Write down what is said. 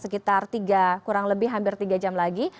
sekitar tiga kurang lebih hampir tiga jam lagi